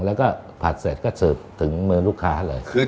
แล้วก็ผัดเสร็จก็เสิร์ฟถึงมือลูกค้าเลย